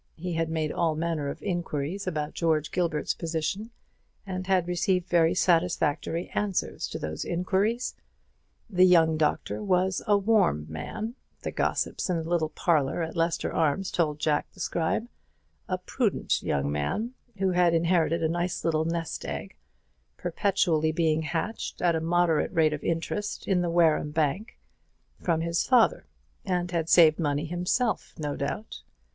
He had made all manner of inquiries about George Gilbert's position, and had received very satisfactory answers to those inquiries. The young doctor was a "warm" man, the gossips in the little parlour at the Leicester Arms told Jack the Scribe; a prudent young man, who had inherited a nice little nest egg perpetually being hatched at a moderate rate of interest in the Wareham bank from his father, and had saved money himself, no doubt.